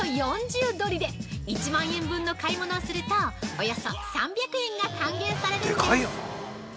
４重取りで、１万円分の買い物をするとおよそ３００円が還元されるんです！